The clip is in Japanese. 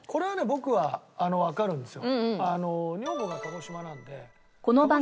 僕はわかるんですよ。